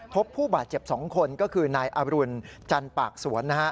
พบผู้บาดเจ็บ๒คนก็คือนายอรุณจันปากสวน